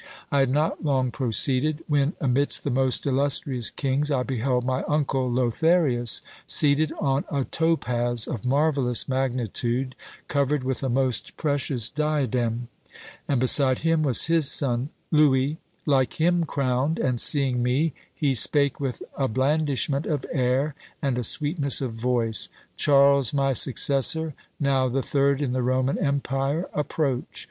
I had not long proceeded, when, amidst the most illustrious kings, I beheld my uncle Lotharius seated on a topaz, of marvellous magnitude, covered with a most precious diadem; and beside him was his son Louis, like him crowned, and seeing me, he spake with a blandishment of air, and a sweetness of voice, 'Charles, my successor, now the third in the Roman empire, approach!